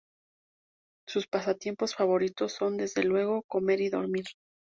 Sus pasatiempos favoritos son, desde luego, comer y dormir.